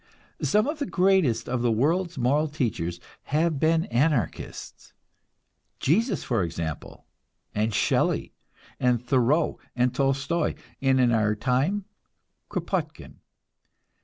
Some of the greatest of the world's moral teachers have been Anarchists: Jesus, for example, and Shelley and Thoreau and Tolstoi, and in our time Kropotkin.